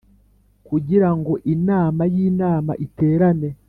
kugira ngo inama y Inama iterane